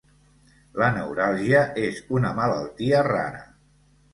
La neuràlgia és una malaltia rara.